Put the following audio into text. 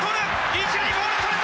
一塁ボールそれた！